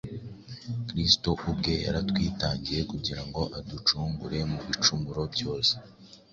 kristo ubwe yaratwitangiye kugira ngo aducungure mu bicumuro byose.